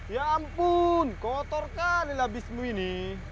ya ampun kotor kali labismu ini